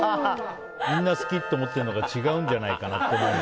みんな好きって思ってるのが違うんじゃないかって。